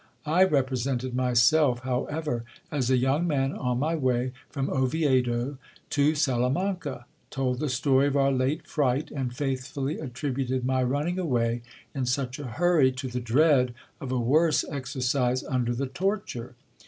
I represented myself however as a young man on my way from Oviedo to Salamanca ; told the story of our late fright, and faithfully attributed my running away in such a hurry to the dread of a worse exercise under the torture.